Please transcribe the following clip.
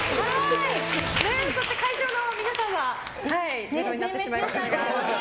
そして会場の皆さんはゼロになってしまいましたが。